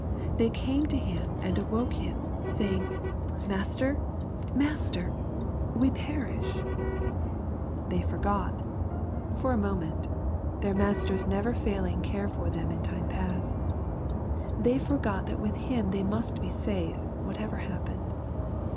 "They came to Him and awoke Him, saying, Master, Master, we perish '' They forgot, for a LUKE, CHAP. vni. 268 moment, their JJagter's never failing care for them in time past They forgot that with Him they most be safe, whatever happened.